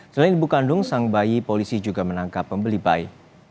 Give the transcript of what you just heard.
selain ibu kandung sang bayi polisi juga menangkap pembeli bayi